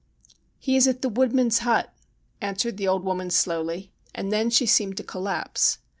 ' He is at the Woodman's Hut,' answered the old woman slowly, and then she seemed to collapse.